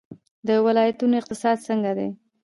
د ولایتونو اقتصاد څنګه دی؟